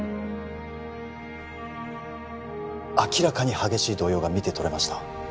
明らかに激しい動揺が見てとれました